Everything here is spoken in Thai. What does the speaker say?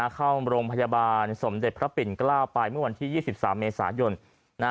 เข้าโรงพยาบาลสมเด็จพระปิ่นเกล้าไปเมื่อวันที่๒๓เมษายน